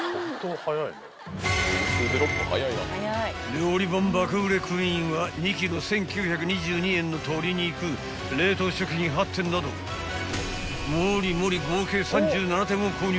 ［料理本爆売れクイーンは２ｋｇ１，９２２円の鶏肉冷凍食品８点などもりもり合計３７点を購入］